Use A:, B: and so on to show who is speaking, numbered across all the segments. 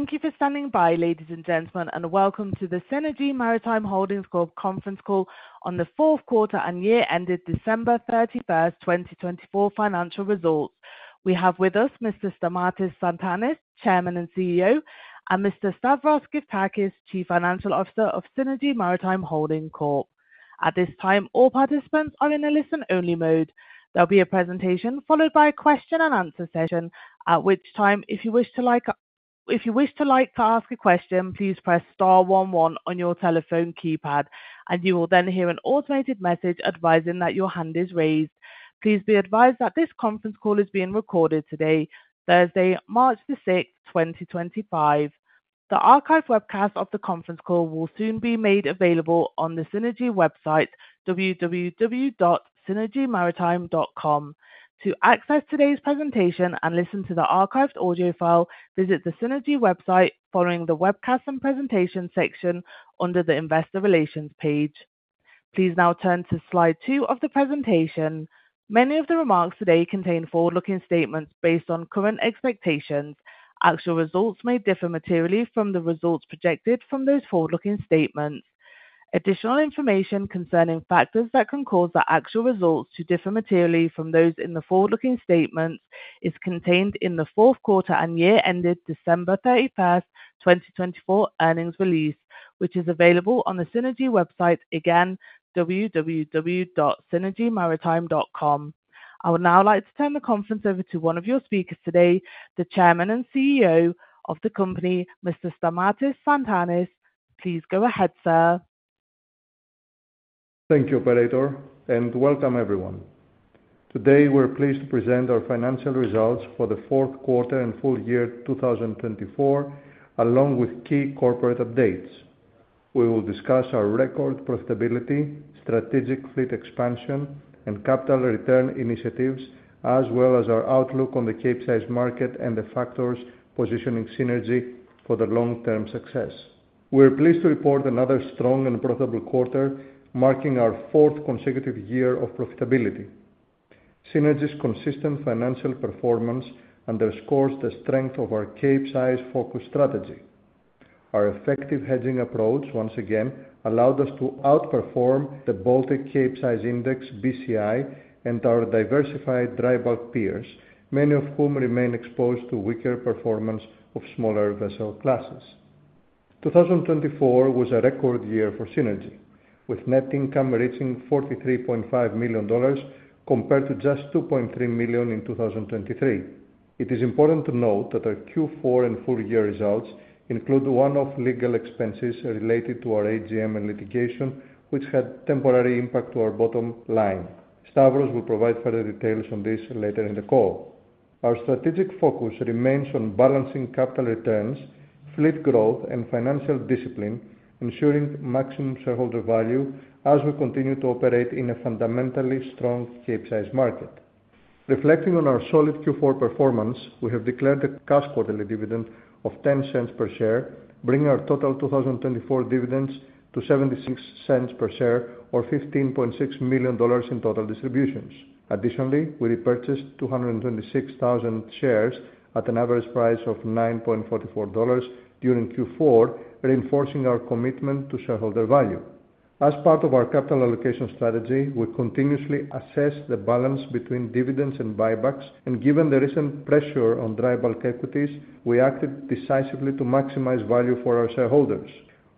A: Thank you for standing by, ladies and gentlemen, and welcome to the Seanergy Maritime Holdings Corp conference call on the fourth quarter and year-ended December 31, 2024 financial results. We have with us Mr. Stamatis Tsantanis, Chairman and CEO, and Mr. Stavros Gyftakis, Chief Financial Officer of Seanergy Maritime Holdings Corp. At this time, all participants are in a listen-only mode. There will be a presentation followed by a question-and-answer session, at which time, if you wish to ask a question, please press star 11 on your telephone keypad, and you will then hear an automated message advising that your hand is raised. Please be advised that this conference call is being recorded today, Thursday, March 6, 2025. The archived webcast of the conference call will soon be made available on the Seanergy website, www.seanergymaritime.com. To access today's presentation and listen to the archived audio file, visit the Seanergy website following the webcast and presentation section under the Investor Relations page. Please now turn to slide two of the presentation. Many of the remarks today contain forward-looking statements based on current expectations. Actual results may differ materially from the results projected from those forward-looking statements. Additional information concerning factors that can cause the actual results to differ materially from those in the forward-looking statements is contained in the fourth quarter and year-ended December 31, 2024 earnings release, which is available on the Seanergy website again, www.SeanergyMaritime.com. I would now like to turn the conference over to one of your speakers today, the Chairman and CEO of the company, Mr. Stamatis Tsantanis. Please go ahead, sir.
B: Thank you, Operator, and welcome everyone. Today, we're pleased to present our financial results for the fourth quarter and full year 2024, along with key corporate updates. We will discuss our record profitability, strategic fleet expansion, and capital return initiatives, as well as our outlook on the cape-sized market and the factors positioning Seanergy for the long-term success. We're pleased to report another strong and profitable quarter, marking our fourth consecutive year of profitability. Seanergy's consistent financial performance underscores the strength of our cape-sized focus strategy. Our effective hedging approach once again allowed us to outperform the Baltic Capesize Index, BCI, and our diversified dry bulk peers, many of whom remain exposed to weaker performance of smaller vessel classes. 2024 was a record year for Seanergy, with net income reaching $43.5 million compared to just $2.3 million in 2023. It is important to note that our Q4 and full year results include one-off legal expenses related to our AGM and litigation, which had temporary impact to our bottom line. Stavros will provide further details on this later in the call. Our strategic focus remains on balancing capital returns, fleet growth, and financial discipline, ensuring maximum shareholder value as we continue to operate in a fundamentally strong cape-sized market. Reflecting on our solid Q4 performance, we have declared a cash quarterly dividend of $0.10 per share, bringing our total 2024 dividends to $0.76 per share, or $15.6 million in total distributions. Additionally, we repurchased 226,000 shares at an average price of $9.44 during Q4, reinforcing our commitment to shareholder value. As part of our capital allocation strategy, we continuously assess the balance between dividends and buybacks, and given the recent pressure on dry bulk equities, we acted decisively to maximize value for our shareholders.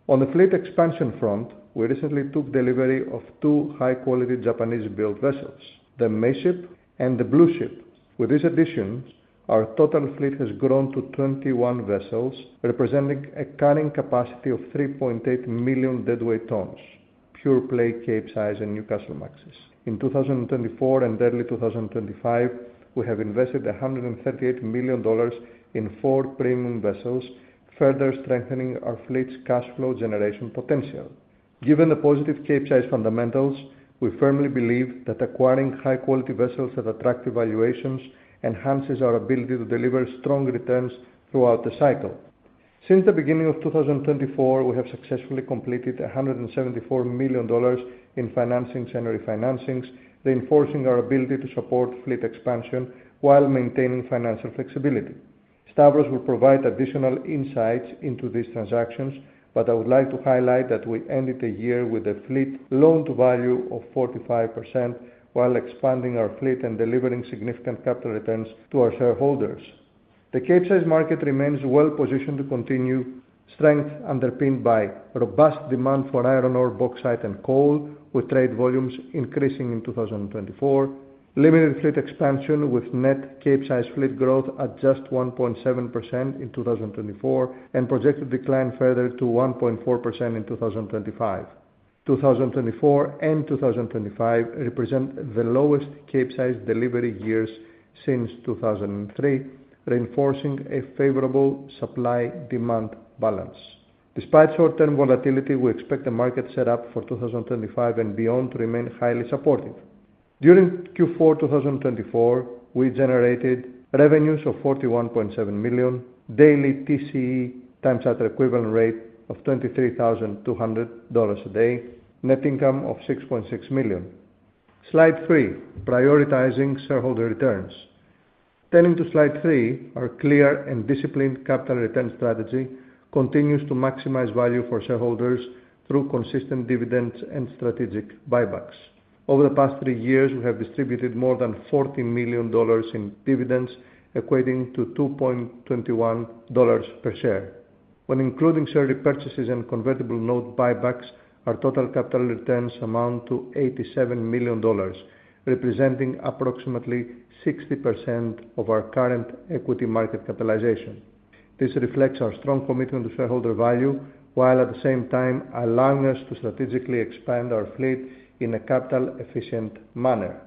B: On the fleet expansion front, we recently took delivery of two high-quality Japanese-built vessels, the Meship and the Blueship. With these additions, our total fleet has grown to 21 vessels, representing a carrying capacity of 3.8 million deadweight tons, pure play cape-sized and Newcastlemaxes. In 2024 and early 2025, we have invested $138 million in four premium vessels, further strengthening our fleet's cash flow generation potential. Given the positive cape-sized fundamentals, we firmly believe that acquiring high-quality vessels at attractive valuations enhances our ability to deliver strong returns throughout the cycle. Since the beginning of 2024, we have successfully completed $174 million in financing scenario financings, reinforcing our ability to support fleet expansion while maintaining financial flexibility. Stavros will provide additional insights into these transactions, but I would like to highlight that we ended the year with a fleet loan-to-value of 45% while expanding our fleet and delivering significant capital returns to our shareholders. The cape-sized market remains well-positioned to continue strength underpinned by robust demand for iron ore, bauxite, and coal, with trade volumes increasing in 2024, limited fleet expansion with net cape-sized fleet growth at just 1.7% in 2024, and projected decline further to 1.4% in 2025. 2024 and 2025 represent the lowest cape-sized delivery years since 2003, reinforcing a favorable supply-demand balance. Despite short-term volatility, we expect the market setup for 2025 and beyond to remain highly supportive. During Q4 2024, we generated revenues of $41.7 million, daily TCE time charter equivalent rate of $23,200 a day, net income of $6.6 million. Slide three: Prioritizing shareholder returns. Turning to slide three, our clear and disciplined capital return strategy continues to maximize value for shareholders through consistent dividends and strategic buybacks. Over the past three years, we have distributed more than $40 million in dividends, equating to $2.21 per share. When including share repurchases and convertible note buybacks, our total capital returns amount to $87 million, representing approximately 60% of our current equity market capitalization. This reflects our strong commitment to shareholder value, while at the same time allowing us to strategically expand our fleet in a capital-efficient manner.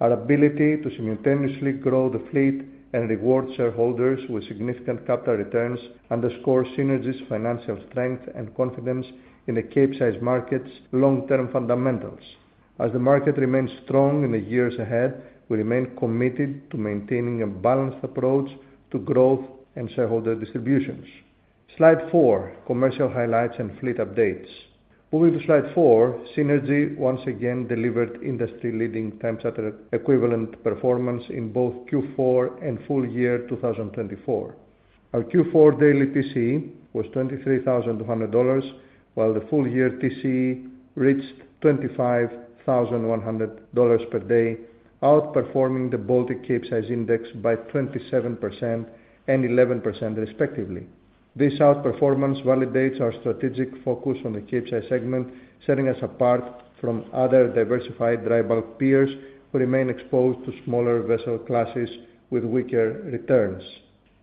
B: Our ability to simultaneously grow the fleet and reward shareholders with significant capital returns underscores Seanergy's financial strength and confidence in the cape-sized market's long-term fundamentals. As the market remains strong in the years ahead, we remain committed to maintaining a balanced approach to growth and shareholder distributions. Slide four: Commercial highlights and fleet updates. Moving to slide four, Seanergy once again delivered industry-leading time charter equivalent performance in both Q4 and full year 2024. Our Q4 daily TCE was $23,200, while the full year TCE reached $25,100 per day, outperforming the Baltic Cape-size Index by 27% and 11%, respectively. This outperformance validates our strategic focus on the Capesize segment, setting us apart from other diversified dry bulk peers who remain exposed to smaller vessel classes with weaker returns.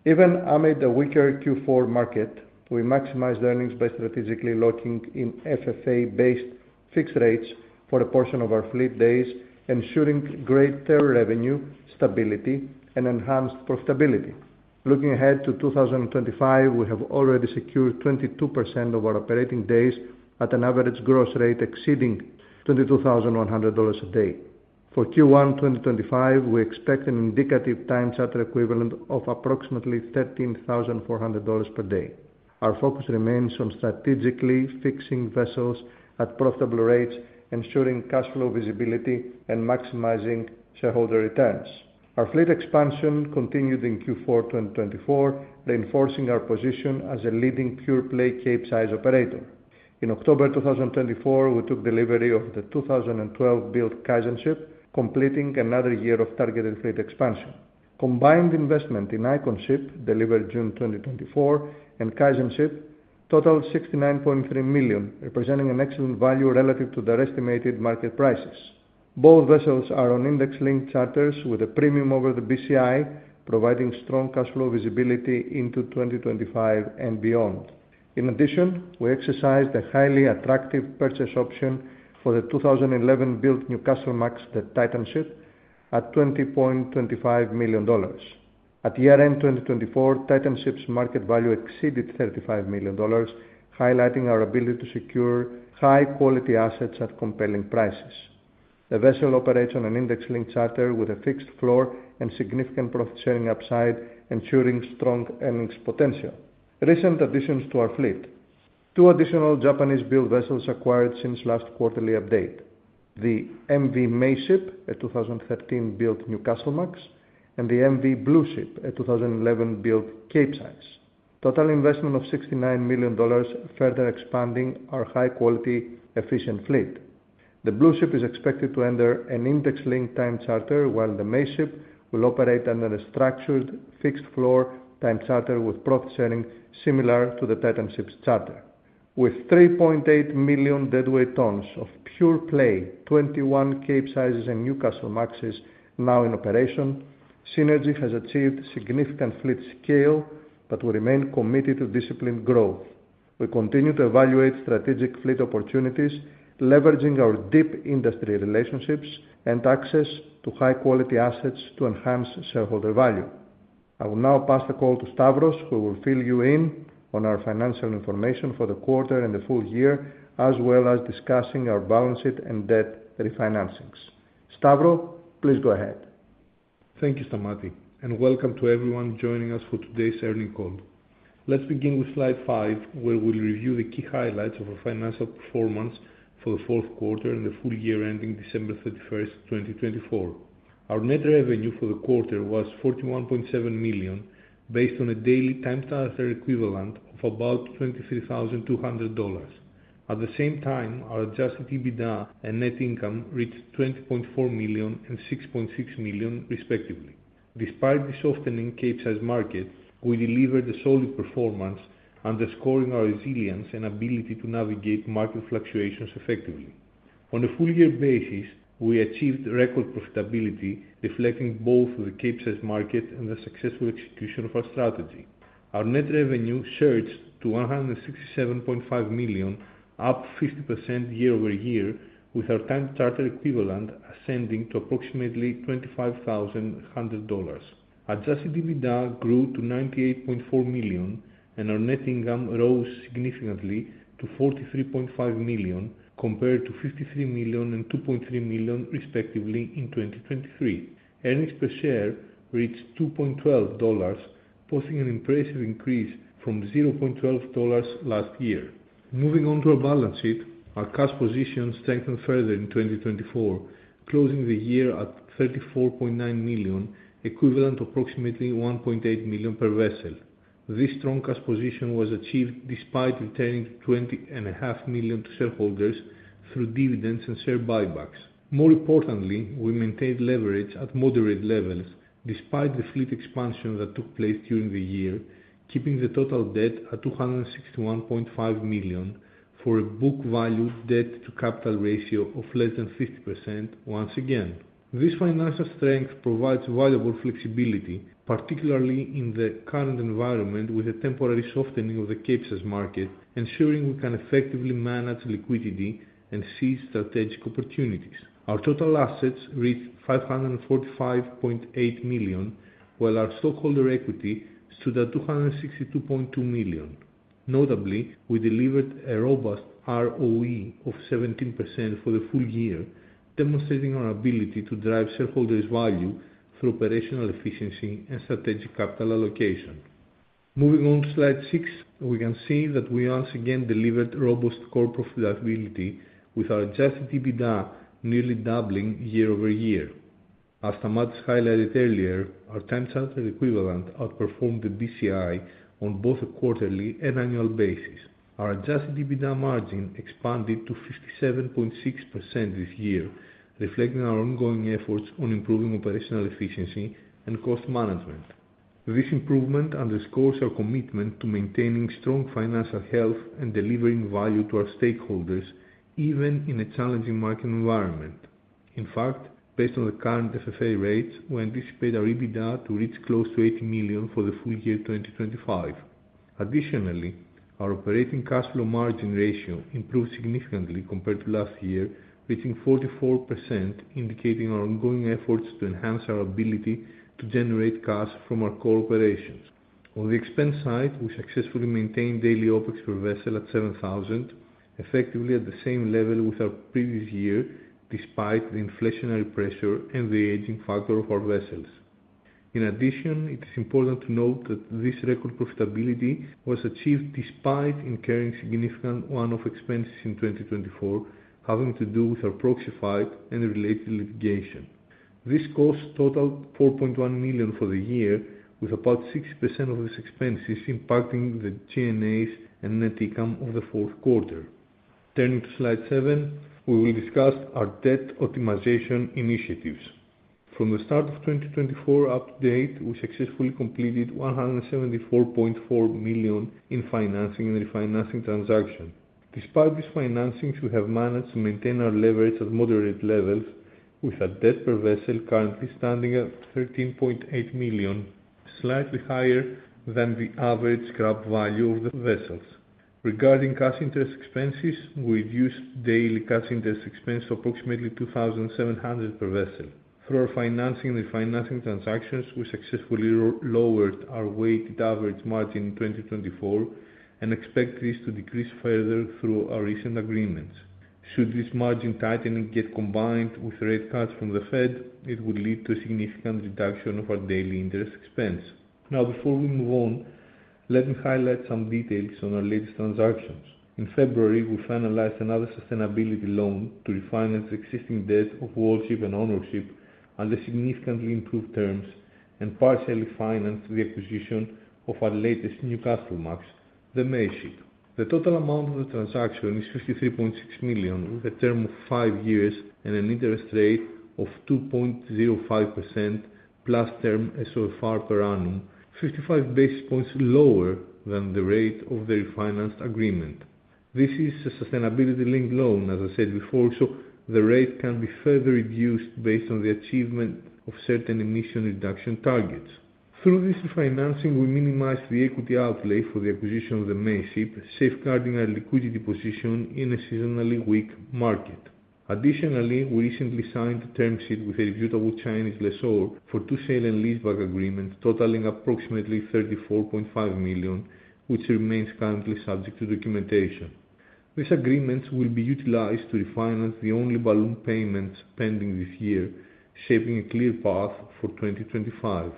B: Even amid the weaker Q4 market, we maximized earnings by strategically locking in FFA-based fixed rates for a portion of our fleet days, ensuring greater revenue stability and enhanced profitability. Looking ahead to 2025, we have already secured 22% of our operating days at an average gross rate exceeding $22,100 a day. For Q1 2025, we expect an indicative time charter equivalent of approximately $13,400 per day. Our focus remains on strategically fixing vessels at profitable rates, ensuring cash flow visibility and maximizing shareholder returns. Our fleet expansion continued in Q4 2024, reinforcing our position as a leading pure play cape-sized operator. In October 2024, we took delivery of the 2012-built Kaizenship, completing another year of targeted fleet expansion. Combined investment in Iconship, delivered June 2024, and Kaizenship totaled $69.3 million, representing an excellent value relative to their estimated market prices. Both vessels are on index-linked charters with a premium over the BCI, providing strong cash flow visibility into 2025 and beyond. In addition, we exercised a highly attractive purchase option for the 2011-built Newcastlemax, the Titanship, at $20.25 million. At year-end 2024, Titanship's market value exceeded $35 million, highlighting our ability to secure high-quality assets at compelling prices. The vessel operates on an index-linked charter with a fixed floor and significant profit-sharing upside, ensuring strong earnings potential. Recent additions to our fleet: two additional Japanese-built vessels acquired since last quarterly update, the MV Meship, a 2013-built Newcastlemax, and the MV Blueship, a 2011-built cape-sized. Total investment of $69 million, further expanding our high-quality, efficient fleet. The Blueship is expected to enter an index-linked time charter, while the Meship will operate under a structured fixed floor time charter with profit-sharing similar to the Titanship's charter. With 3.8 million deadweight tons of pure play, 21 cape-sizes and Newcastlemaxes now in operation, Seanergy has achieved significant fleet scale but will remain committed to disciplined growth. We continue to evaluate strategic fleet opportunities, leveraging our deep industry relationships and access to high-quality assets to enhance shareholder value. I will now pass the call to Stavros, who will fill you in on our financial information for the quarter and the full year, as well as discussing our balance sheet and debt refinancings. Stavros, please go ahead. Thank you, Stamatis, and welcome to everyone joining us for today's earning call. Let's begin with slide five, where we'll review the key highlights of our financial performance for the fourth quarter and the full year ending December 31, 2024. Our net revenue for the quarter was $41.7 million, based on a daily time charter equivalent of about $23,200. At the same time, our adjusted EBITDA and net income reached $20.4 million and $6.6 million, respectively. Despite the softening cape-sized market, we delivered a solid performance, underscoring our resilience and ability to navigate market fluctuations effectively. On a full year basis, we achieved record profitability, reflecting both the cape-sized market and the successful execution of our strategy. Our net revenue surged to $167.5 million, up 50% year over year, with our time charter equivalent ascending to approximately $25,100. Adjusted EBITDA grew to $98.4 million, and our net income rose significantly to $43.5 million, compared to $53 million and $2.3 million, respectively, in 2023. Earnings per share reached $2.12, posting an impressive increase from $0.12 last year. Moving on to our balance sheet, our cash position strengthened further in 2024, closing the year at $34.9 million, equivalent to approximately $1.8 million per vessel. This strong cash position was achieved despite returning $20.5 million to shareholders through dividends and share buybacks. More importantly, we maintained leverage at moderate levels despite the fleet expansion that took place during the year, keeping the total debt at $261.5 million for a book value debt to capital ratio of less than 50% once again. This financial strength provides valuable flexibility, particularly in the current environment with a temporary softening of the cape-sized market, ensuring we can effectively manage liquidity and seize strategic opportunities.
C: Our total assets reached $545.8 million, while our stockholder equity stood at $262.2 million. Notably, we delivered a robust ROE of 17% for the full year, demonstrating our ability to drive shareholders' value through operational efficiency and strategic capital allocation. Moving on to slide six, we can see that we once again delivered robust core profitability with our adjusted EBITDA nearly doubling year over year. As Stamatis highlighted earlier, our time charter equivalent outperformed the BCI on both a quarterly and annual basis. Our adjusted EBITDA margin expanded to 57.6% this year, reflecting our ongoing efforts on improving operational efficiency and cost management. This improvement underscores our commitment to maintaining strong financial health and delivering value to our stakeholders, even in a challenging market environment. In fact, based on the current FFA rates, we anticipate our EBITDA to reach close to $80 million for the full year 2025. Additionally, our operating cash flow margin ratio improved significantly compared to last year, reaching 44%, indicating our ongoing efforts to enhance our ability to generate cash from our core operations. On the expense side, we successfully maintained daily OPEX per vessel at $7,000, effectively at the same level with our previous year despite the inflationary pressure and the aging factor of our vessels. In addition, it is important to note that this record profitability was achieved despite incurring significant one-off expenses in 2024, having to do with our proxy fight and related litigation. This cost totaled $4.1 million for the year, with about 60% of these expenses impacting the G&As and net income of the fourth quarter. Turning to slide seven, we will discuss our debt optimization initiatives. From the start of 2024 up to date, we successfully completed $174.4 million in financing and refinancing transactions. Despite these financings, we have managed to maintain our leverage at moderate levels, with our debt per vessel currently standing at $13.8 million, slightly higher than the average scrap value of the vessels. Regarding cash interest expenses, we reduced daily cash interest expense to approximately $2,700 per vessel. Through our financing and refinancing transactions, we successfully lowered our weighted average margin in 2024 and expect this to decrease further through our recent agreements. Should this margin tightening get combined with rate cuts from the Fed, it would lead to a significant reduction of our daily interest expense. Now, before we move on, let me highlight some details on our latest transactions. In February, we finalized another sustainability loan to refinance existing debt of WorldShip and Honorship under significantly improved terms and partially financed the acquisition of our latest Newcastlemax, the Meship. The total amount of the transaction is $53.6 million, with a term of five years and an interest rate of 2.05% plus term SOFR per annum, 55 basis points lower than the rate of the refinanced agreement. This is a sustainability-linked loan, as I said before, so the rate can be further reduced based on the achievement of certain emission reduction targets. Through this refinancing, we minimized the equity outlay for the acquisition of the Meship, safeguarding our liquidity position in a seasonally weak market. Additionally, we recently signed a term sheet with a reputable Chinese lessor for two sale and leaseback agreements totaling approximately $34.5 million, which remains currently subject to documentation. These agreements will be utilized to refinance the only balloon payments pending this year, shaping a clear path for 2025.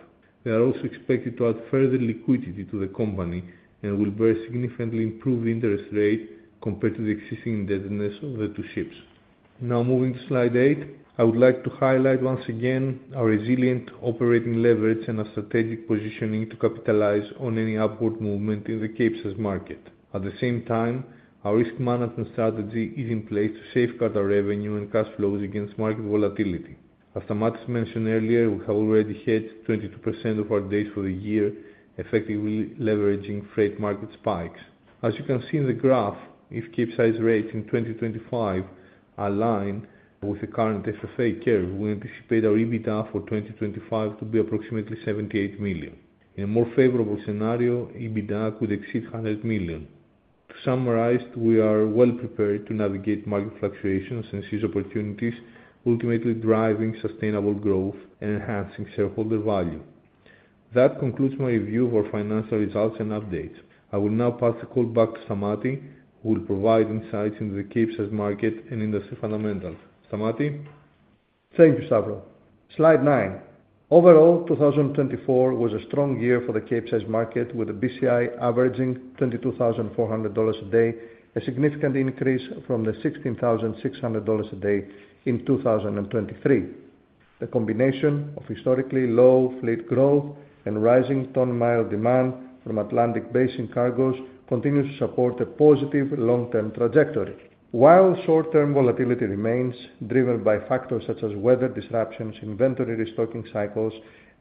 C: They are also expected to add further liquidity to the company and will significantly improve the interest rate compared to the existing indebtedness of the two ships. Now, moving to slide eight, I would like to highlight once again our resilient operating leverage and our strategic positioning to capitalize on any upward movement in the cape-sized market. At the same time, our risk management strategy is in place to safeguard our revenue and cash flows against market volatility. As Stamatis mentioned earlier, we have already hedged 22% of our days for the year, effectively leveraging freight market spikes. As you can see in the graph, if cape-sized rates in 2025 align with the current FFA curve, we anticipate our EBITDA for 2025 to be approximately $78 million. In a more favorable scenario, EBITDA could exceed $100 million. To summarize, we are well prepared to navigate market fluctuations and seize opportunities, ultimately driving sustainable growth and enhancing shareholder value. That concludes my review of our financial results and updates. I will now pass the call back to Stamatis, who will provide insights into the cape-sized market and industry fundamentals. Stamatis. Thank you, Stavros. Slide nine. Overall, 2024 was a strong year for the cape-sized market, with the BCI averaging $22,400 a day, a significant increase from the $16,600 a day in 2023. The combination of historically low fleet growth and rising ton-mile demand from Atlantic basin cargos continues to support a positive long-term trajectory. While short-term volatility remains driven by factors such as weather disruptions, inventory restocking cycles,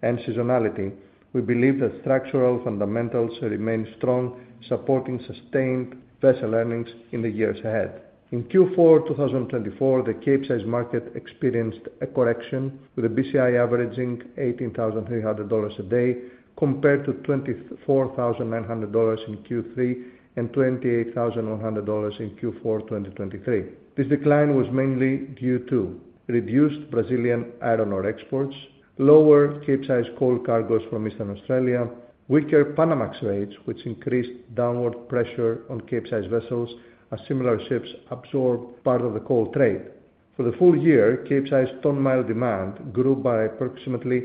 C: and seasonality, we believe that structural fundamentals remain strong, supporting sustained vessel earnings in the years ahead. In Q4 2024, the cape-sized market experienced a correction, with the BCI averaging $18,300 a day compared to $24,900 in Q3 and $28,100 in Q4 2023. This decline was mainly due to reduced Brazilian iron ore exports, lower cape-sized coal cargos from Eastern Australia, and weaker Panamax rates, which increased downward pressure on cape-sized vessels, as similar ships absorbed part of the coal trade. For the full year, cape-sized ton-mile demand grew by approximately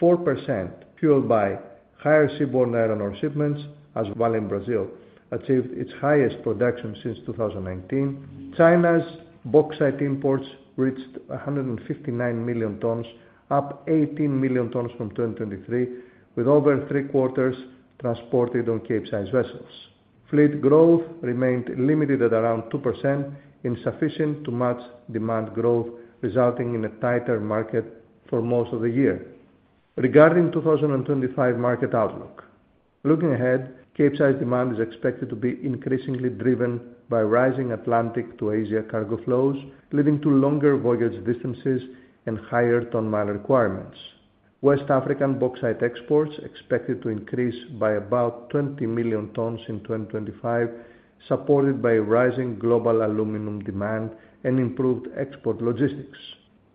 C: 4%, fueled by higher seaborne iron ore shipments, as well in Brazil, which achieved its highest production since 2019. China's bauxite imports reached 159 million tons, up 18 million tons from 2023, with over three quarters transported on cape-sized vessels. Fleet growth remained limited at around 2%, insufficient to match demand growth, resulting in a tighter market for most of the year. Regarding the 2025 market outlook, looking ahead, cape-sized demand is expected to be increasingly driven by rising Atlantic to Asia cargo flows, leading to longer voyage distances and higher ton-mile requirements. West African bauxite exports are expected to increase by about 20 million tons in 2025, supported by rising global aluminum demand and improved export logistics.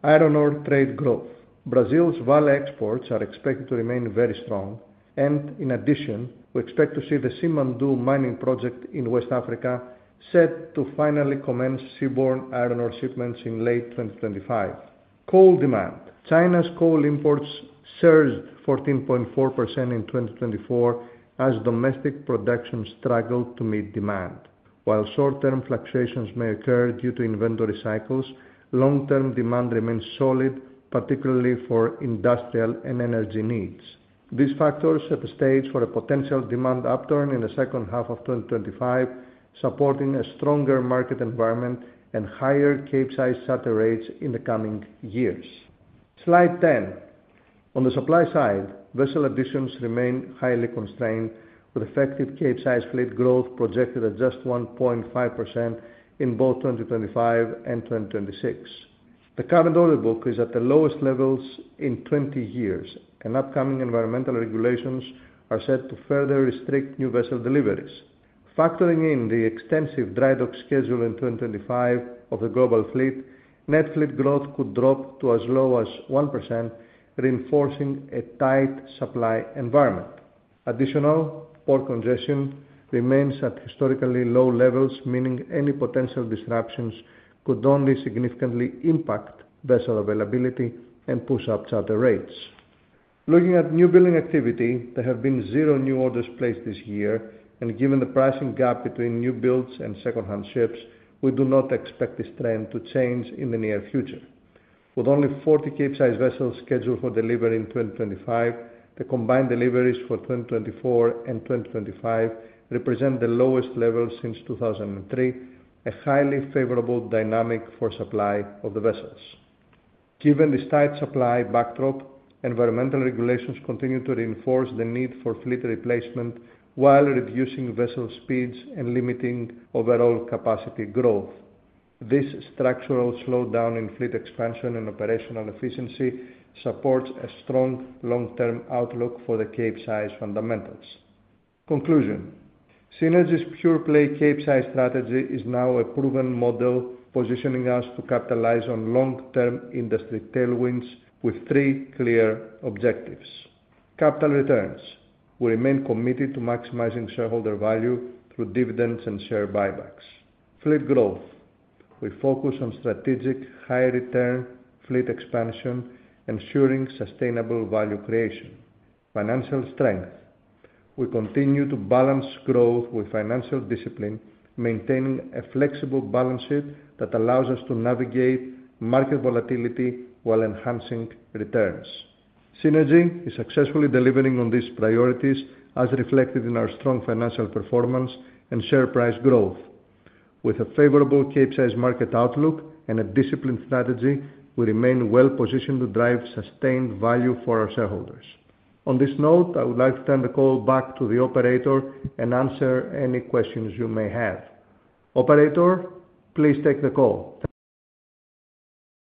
C: Iron ore trade growth. Brazil's Vale exports are expected to remain very strong, and in addition, we expect to see the Simandou mining project in West Africa set to finally commence seaborne iron ore shipments in late 2025. Coal demand. China's coal imports surged 14.4% in 2024 as domestic production struggled to meet demand. While short-term fluctuations may occur due to inventory cycles, long-term demand remains solid, particularly for industrial and energy needs. These factors set the stage for a potential demand upturn in the second half of 2025, supporting a stronger market environment and higher cape-sized charter rates in the coming years. Slide ten. On the supply side, vessel additions remain highly constrained, with effective cape-sized fleet growth projected at just 1.5% in both 2025 and 2026. The current order book is at the lowest levels in 20 years, and upcoming environmental regulations are set to further restrict new vessel deliveries. Factoring in the extensive dry dock schedule in 2025 of the global fleet, net fleet growth could drop to as low as 1%, reinforcing a tight supply environment. Additional port congestion remains at historically low levels, meaning any potential disruptions could only significantly impact vessel availability and push up charter rates. Looking at new building activity, there have been zero new orders placed this year, and given the pricing gap between new builds and second-hand ships, we do not expect this trend to change in the near future. With only 40 cape-sized vessels scheduled for delivery in 2025, the combined deliveries for 2024 and 2025 represent the lowest level since 2003, a highly favorable dynamic for supply of the vessels. Given this tight supply backdrop, environmental regulations continue to reinforce the need for fleet replacement while reducing vessel speeds and limiting overall capacity growth. This structural slowdown in fleet expansion and operational efficiency supports a strong long-term outlook for the cape-sized fundamentals. Conclusion. Seanergy's pure-play cape-sized strategy is now a proven model, positioning us to capitalize on long-term industry tailwinds with three clear objectives: capital returns. We remain committed to maximizing shareholder value through dividends and share buybacks. Fleet growth. We focus on strategic high-return fleet expansion, ensuring sustainable value creation. Financial strength. We continue to balance growth with financial discipline, maintaining a flexible balance sheet that allows us to navigate market volatility while enhancing returns. Seanergy is successfully delivering on these priorities, as reflected in our strong financial performance and share price growth. With a favorable cape-sized market outlook and a disciplined strategy, we remain well positioned to drive sustained value for our shareholders. On this note, I would like to turn the call back to the operator and answer any questions you may have. Operator, please take the call.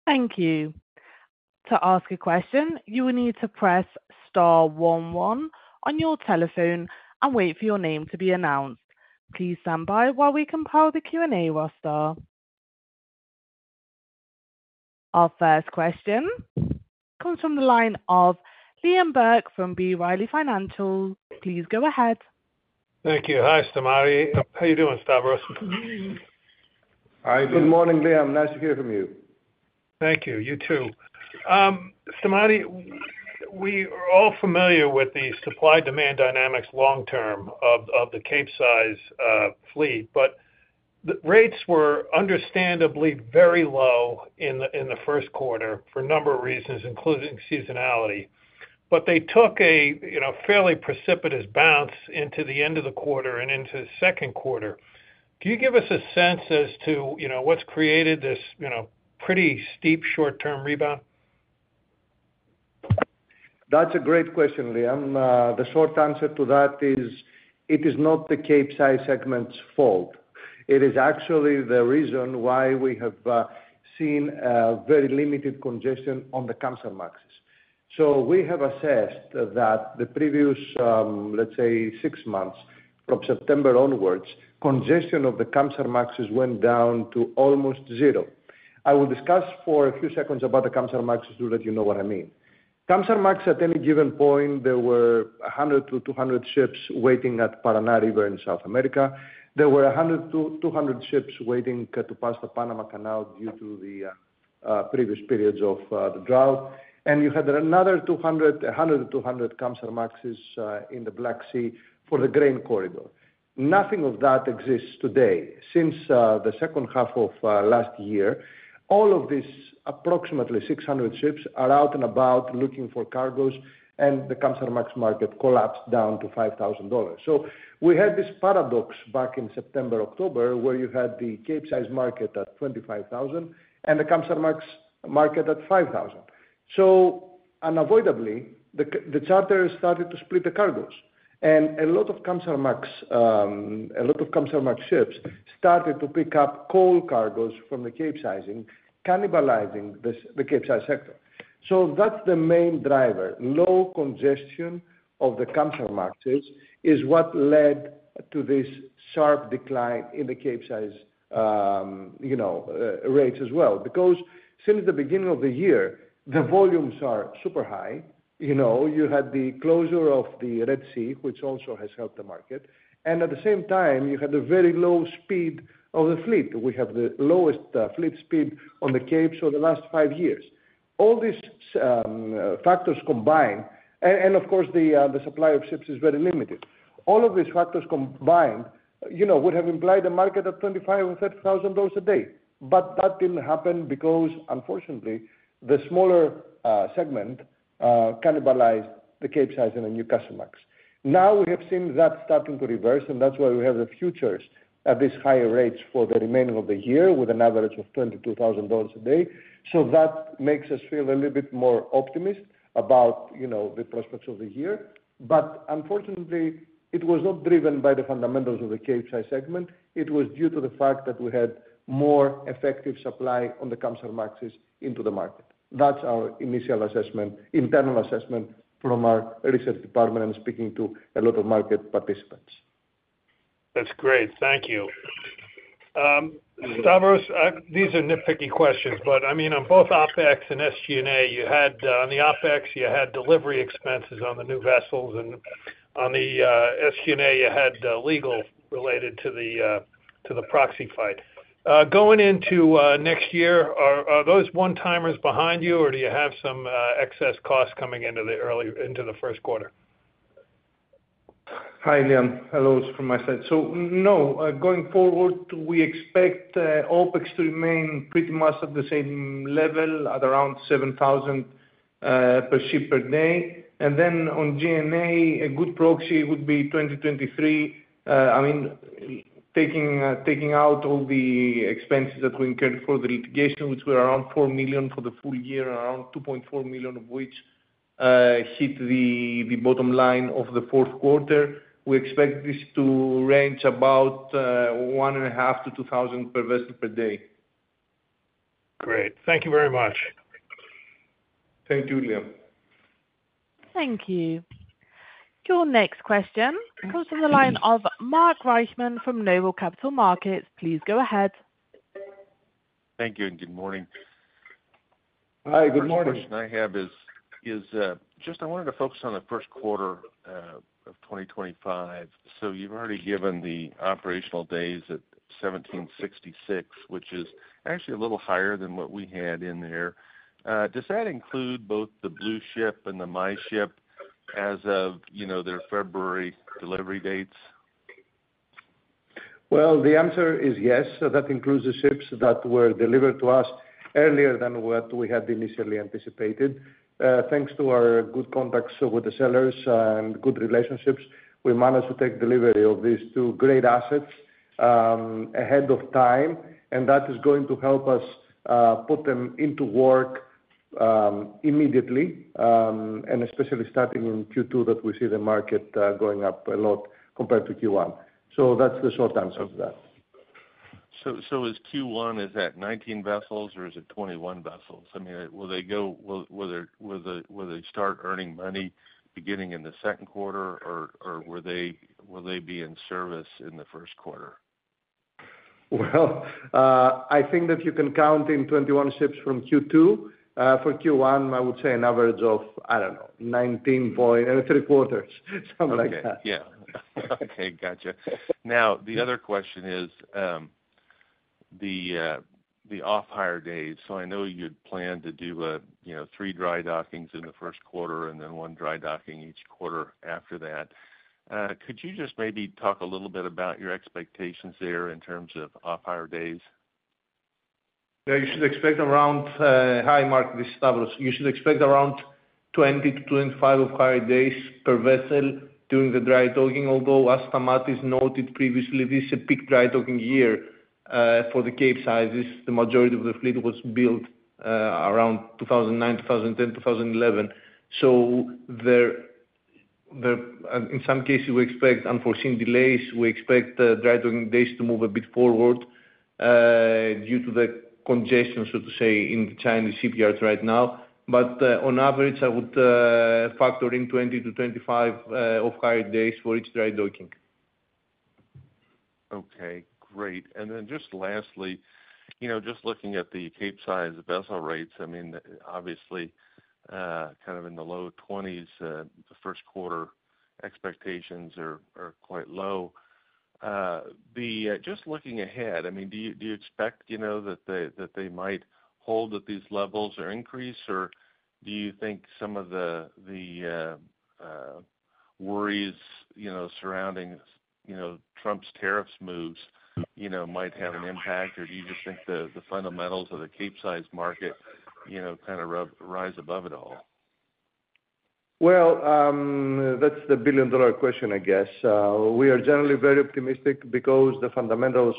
A: Thank you. To ask a question, you will need to press *11 on your telephone and wait for your name to be announced. Please stand by while we compile the Q&A roster. Our first question comes from the line of Liam Burke from B Riley Financial. Please go ahead.
D: Thank you. Hi, Stamatis. How are you doing, Stavros?
C: Hi. Good morning, Liam. Nice to hear from you.
D: Thank you. You too. Stamatis, we are all familiar with the supply-demand dynamics long-term of the cape-sized fleet, but the rates were understandably very low in the first quarter for a number of reasons, including seasonality. They took a fairly precipitous bounce into the end of the quarter and into the second quarter. Can you give us a sense as to what's created this pretty steep short-term rebound?
B: That's a great question, Liam. The short answer to that is it is not the cape-sized segment's fault. It is actually the reason why we have seen very limited congestion on the Kamsarmaxes. We have assessed that the previous, let's say, six months from September onwards, congestion of the Kamsarmaxes went down to almost zero. I will discuss for a few seconds about the Kamsarmaxes to let you know what I mean. Kamsarmaxes, at any given point, there were 100-200 ships waiting at Paraná River in South America. There were 100-200 ships waiting to pass the Panama Canal due to the previous periods of the drought. You had another 100-200 Kamsarmaxes in the Black Sea for the grain corridor. Nothing of that exists today. Since the second half of last year, all of these approximately 600 ships are out and about looking for cargoes, and the Kamsarmax market collapsed down to $5,000. We had this paradox back in September, October, where you had the cape-sized market at $25,000 and the Kamsarmax market at $5,000. Unavoidably, the charter started to split the cargoes. A lot of Kamsarmax ships started to pick up coal cargoes from the cape-sizing, cannibalizing the cape-sized sector. That is the main driver. Low congestion of the Kamsarmaxes is what led to this sharp decline in the cape-sized rates as well. Because since the beginning of the year, the volumes are super high. You had the closure of the Red Sea, which also has helped the market. At the same time, you had the very low speed of the fleet. We have the lowest fleet speed on the cape for the last five years. All these factors combined, and of course, the supply of ships is very limited. All of these factors combined would have implied a market at $25,000 or $30,000 a day. That did not happen because, unfortunately, the smaller segment cannibalized the cape-sized and the new Kamsarmax. Now we have seen that starting to reverse, and that is why we have the futures at these higher rates for the remainder of the year with an average of $22,000 a day. That makes us feel a little bit more optimistic about the prospects of the year. Unfortunately, it was not driven by the fundamentals of the cape-sized segment. It was due to the fact that we had more effective supply on the Kamsarmaxes into the market. That's our initial assessment, internal assessment from our research department and speaking to a lot of market participants.
D: That's great. Thank you. Stavros, these are nitpicky questions, but I mean, on both OPEX and SG&A, you had on the OPEX, you had delivery expenses on the new vessels, and on the SG&A, you had legal related to the proxy fight. Going into next year, are those one-timers behind you, or do you have some excess costs coming into the first quarter?
C: Hi, Liam. Hello from my side. No, going forward, we expect OPEX to remain pretty much at the same level, at around $7,000 per ship per day. On G&A, a good proxy would be 2023. I mean, taking out all the expenses that we incurred for the litigation, which were around $4 million for the full year, around $2.4 million of which hit the bottom line of the fourth quarter, we expect this to range about $1,500-$2,000 per vessel per day.
D: Great. Thank you very much.
C: Thank you, Liam.
A: Thank you. Your next question comes from the line of Mark Reichman from Noble Capital Markets. Please go ahead.
E: Thank you and good morning.
B: Hi, good morning.
E: The next question I have is just I wanted to focus on the first quarter of 2025. You've already given the operational days at 1,766, which is actually a little higher than what we had in there. Does that include both the Blue Ship and the Meship as of their February delivery dates?
B: Yes, that includes the ships that were delivered to us earlier than what we had initially anticipated. Thanks to our good contacts with the sellers and good relationships, we managed to take delivery of these two great assets ahead of time, and that is going to help us put them into work immediately, and especially starting in Q2 that we see the market going up a lot compared to Q1. That is the short answer to that.
E: Is Q1, is that 19 vessels, or is it 21 vessels? I mean, will they go, will they start earning money beginning in the second quarter, or will they be in service in the first quarter?
B: I think that you can count in 21 ships from Q2. For Q1, I would say an average of, I don't know, 19.3 quarters, something like that.
E: Okay. Yeah. Okay. Gotcha. Now, the other question is the off-hire days. I know you'd plan to do three dry dockings in the first quarter and then one dry docking each quarter after that. Could you just maybe talk a little bit about your expectations there in terms of off-hire days?
C: Yeah. You should expect around, hi Mark, this is Stavros. You should expect around 20-25 off-hire days per vessel during the dry docking, although as Stamatis noted previously, this is a peak dry docking year for the cape-sizes. The majority of the fleet was built around 2009, 2010, 2011. In some cases, we expect unforeseen delays. We expect dry docking days to move a bit forward due to the congestion, so to say, in the Chinese shipyards right now. On average, I would factor in 20-25 off-hire days for each dry docking.
E: Okay. Great. And then just lastly, just looking at the cape-sized vessel rates, I mean, obviously, kind of in the low 20s, the first quarter expectations are quite low. Just looking ahead, I mean, do you expect that they might hold at these levels or increase, or do you think some of the worries surrounding Trump's tariffs moves might have an impact, or do you just think the fundamentals of the cape-sized market kind of rise above it all?
B: That's the billion-dollar question, I guess. We are generally very optimistic because the fundamentals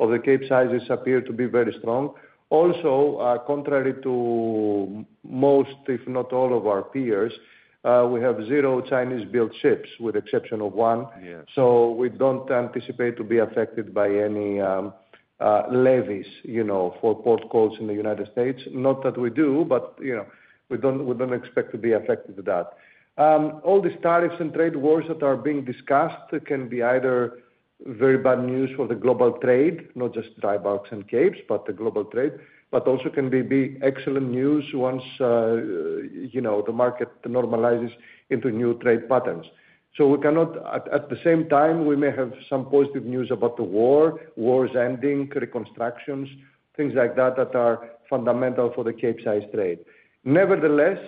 B: of the cape-sizes appear to be very strong. Also, contrary to most, if not all of our peers, we have zero Chinese-built ships with the exception of one. We do not anticipate to be affected by any levies for port calls in the United States. Not that we do, but we do not expect to be affected with that. All these tariffs and trade wars that are being discussed can be either very bad news for the global trade, not just dry bulks and capes, but the global trade, but also can be excellent news once the market normalizes into new trade patterns. At the same time, we may have some positive news about the war, wars ending, reconstructions, things like that that are fundamental for the cape-sized trade. Nevertheless,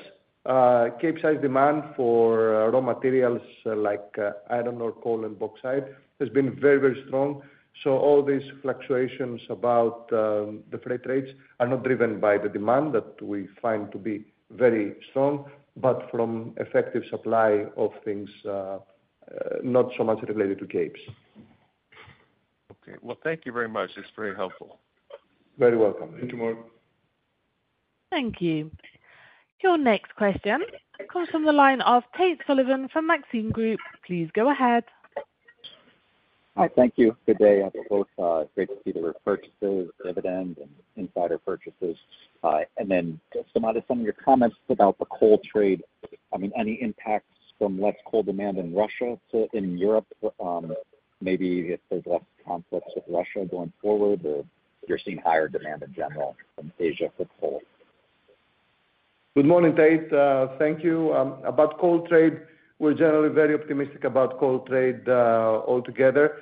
B: cape-sized demand for raw materials like iron ore, coal, and bauxite has been very, very strong. All these fluctuations about the freight rates are not driven by the demand that we find to be very strong, but from effective supply of things not so much related to capes.
E: Okay. Thank you very much. It's very helpful.
B: Very welcome.
C: Thank you, Mark.
A: Thank you. Your next question comes from the line of Tate Sullivan from Maxim Group. Please go ahead.
F: Hi. Thank you. Good day. It's great to see the purchases, dividend, and insider purchases. I mean, any impacts from less coal demand in Russia in Europe? Maybe if there's less conflicts with Russia going forward, or you're seeing higher demand in general from Asia for coal?
C: Good morning, Tate. Thank you. About coal trade, we're generally very optimistic about coal trade altogether.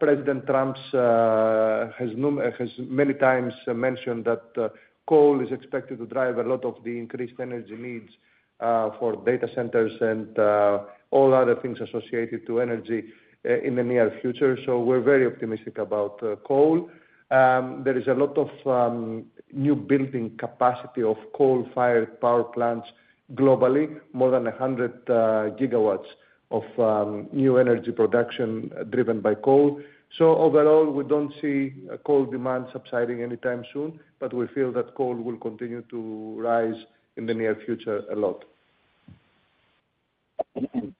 C: President Trump has many times mentioned that coal is expected to drive a lot of the increased energy needs for data centers and all other things associated to energy in the near future. We are very optimistic about coal. There is a lot of new building capacity of coal-fired power plants globally, more than 100 gigawatts of new energy production driven by coal. Overall, we do not see coal demand subsiding anytime soon, but we feel that coal will continue to rise in the near future a lot.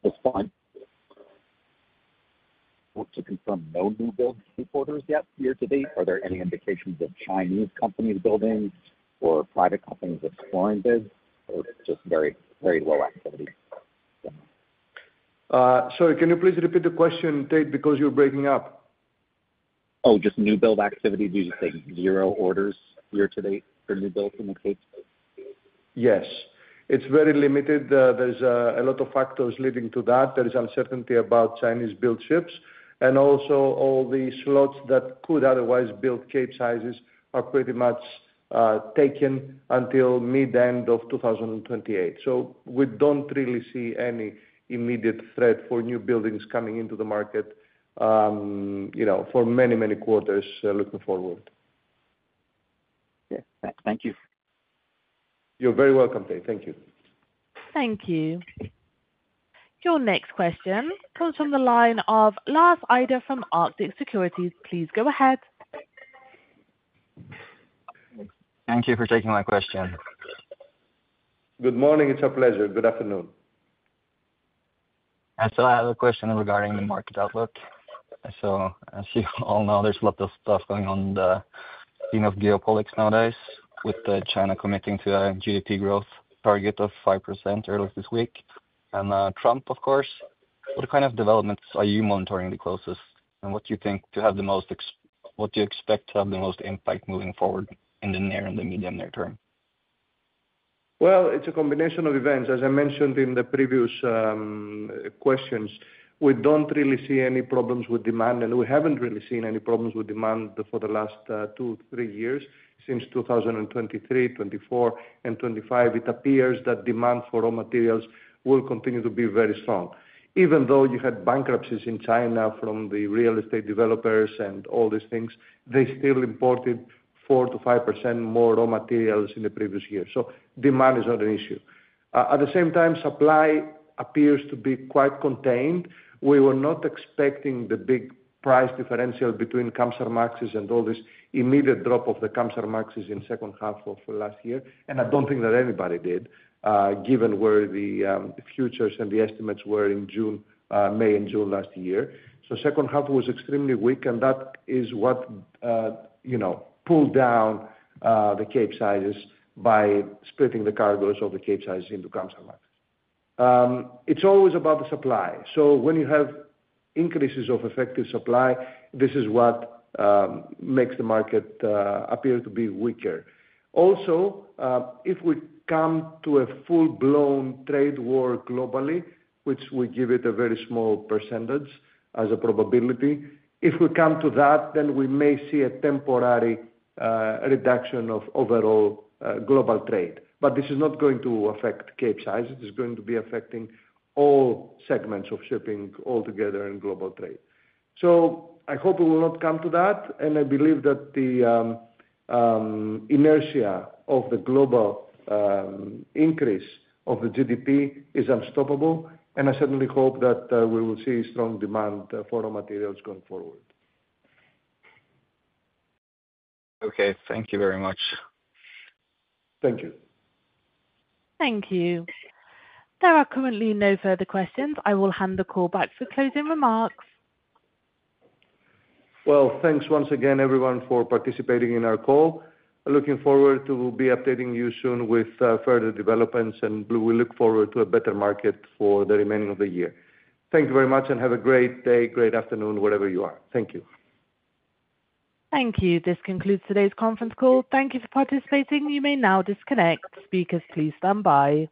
F: Just fine, to confirm, no new builds reported yet here to date. Are there any indications of Chinese companies building or private companies exploring bids, or just very low activity?
B: Sorry, can you please repeat the question, Tate, because you're breaking up?
F: Oh, just new build activity. Did you say zero orders year to date for new builds in the cape?
B: Yes. It's very limited. There's a lot of factors leading to that. There is uncertainty about Chinese-built ships. Also, all the slots that could otherwise build cape-sizes are pretty much taken until mid-end of 2028. We don't really see any immediate threat for new buildings coming into the market for many, many quarters looking forward.
F: Okay. Thank you.
B: You're very welcome, Tate. Thank you.
A: Thank you. Your next question comes from the line of Lars Eide from Arctic Securities. Please go ahead.
G: Thank you for taking my question.
C: Good morning. It's a pleasure. Good afternoon.
G: I have a question regarding the market outlook. As you all know, there's a lot of stuff going on in the scene of geopolitics nowadays with China committing to a GDP growth target of 5% earlier this week. And Trump, of course, what kind of developments are you monitoring the closest? What do you think to have the most, what do you expect to have the most impact moving forward in the near and the medium near term?
B: It is a combination of events. As I mentioned in the previous questions, we do not really see any problems with demand, and we have not really seen any problems with demand for the last two, three years. Since 2023, 2024, and 2025, it appears that demand for raw materials will continue to be very strong. Even though you had bankruptcies in China from the real estate developers and all these things, they still imported 4-5% more raw materials in the previous year. Demand is not an issue. At the same time, supply appears to be quite contained. We were not expecting the big price differential between Kamsarmaxes and this immediate drop of the Kamsarmaxes in the second half of last year. I do not think that anybody did, given where the futures and the estimates were in May and June last year. The second half was extremely weak, and that is what pulled down the cape-sizes by splitting the cargoes of the cape-sizes into Kamsarmaxes. It's always about the supply. When you have increases of effective supply, this is what makes the market appear to be weaker. Also, if we come to a full-blown trade war globally, which we give it a very small percentage as a probability, if we come to that, then we may see a temporary reduction of overall global trade. This is not going to affect cape-sizes. It is going to be affecting all segments of shipping altogether in global trade. I hope we will not come to that, and I believe that the inertia of the global increase of the GDP is unstoppable, and I certainly hope that we will see strong demand for raw materials going forward.
G: Okay. Thank you very much.
C: Thank you.
A: Thank you. There are currently no further questions. I will hand the call back for closing remarks.
C: Thanks once again, everyone, for participating in our call. Looking forward to be updating you soon with further developments, and we look forward to a better market for the remaining of the year. Thank you very much, and have a great day, great afternoon, wherever you are. Thank you.
A: Thank you. This concludes today's conference call. Thank you for participating. You may now disconnect. Speakers, please stand by.